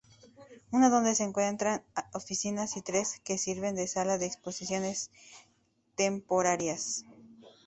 Una donde se encuentran oficinas y tres que sirven de sala de exposiciones temporarias.